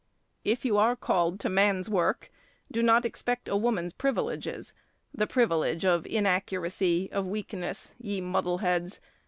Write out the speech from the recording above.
If you are called to man's work, do not exact a woman's privileges—the privilege of inaccuracy, of weakness, ye muddleheads.